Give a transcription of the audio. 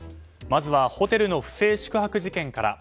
まずはホテルの不正宿泊事件から。